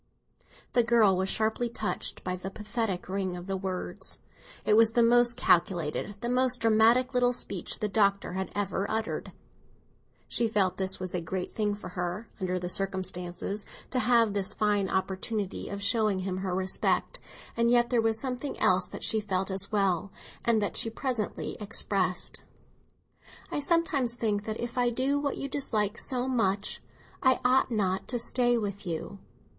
The girl was sharply touched by the pathetic ring of the words; it was the most calculated, the most dramatic little speech the Doctor had ever uttered. She felt that it was a great thing for her, under the circumstances, to have this fine opportunity of showing him her respect; and yet there was something else that she felt as well, and that she presently expressed. "I sometimes think that if I do what you dislike so much, I ought not to stay with you."